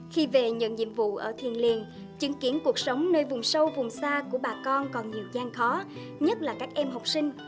khi về nhận nhiệm vụ ở thiền liên chứng kiến cuộc sống nơi vùng sâu vùng xa của bà con còn nhiều gian khó nhất là các em học sinh